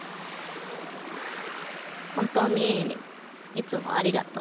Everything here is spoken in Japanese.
本当にいつもありがとう。